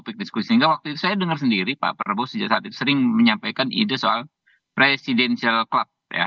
sehingga waktu itu saya dengar sendiri pak prabowo sejak saat itu sering menyampaikan ide soal presidential club ya